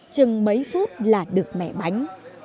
chừng mấy phút là được mẹ bánh